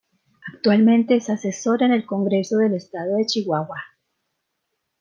Actualmente es asesor en el Congreso del Estado de Chihuahua.